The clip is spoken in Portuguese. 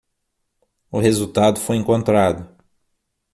O resultado foi encontrado